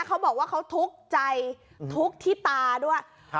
เขาบอกว่าเขาทุกข์ใจทุกข์ที่ตาด้วย